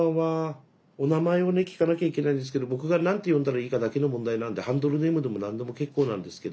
お名前をね聞かなきゃいけないんですけど僕が何て呼んだらいいかだけの問題なんでハンドルネームでも何でも結構なんですけど。